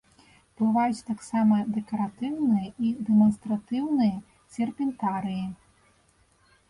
Бываюць таксама дэкаратыўныя і дэманстратыўныя серпентарыі.